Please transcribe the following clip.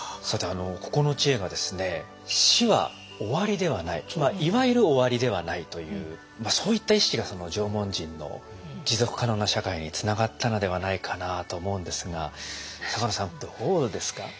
さてここの知恵がですねつまりいわゆる終わりではないというそういった意識が縄文人の持続可能な社会につながったのではないかなと思うんですが坂野さんどうですか？